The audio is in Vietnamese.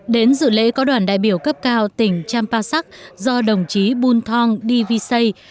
đến dự lễ có đoàn đại biểu cấp cao tỉnh champasak do đồng chí bun thong di vy sây